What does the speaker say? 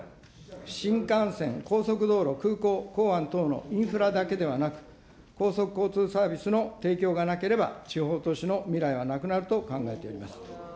新幹線、高速道路、空港、港湾等のインフラだけではなく、高速交通サービスの提供がなければ、地方都市の未来はなくなると考えております。